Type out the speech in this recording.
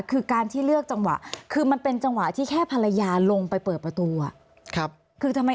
คือการที่เลือกจังหวะคือมันเป็นจังหวะที่แค่ภรรยาลงไปเปิดประตูอ่ะคือทำไม